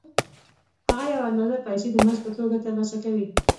هغه یوه اندازه پیسې د مزد په توګه ترلاسه کوي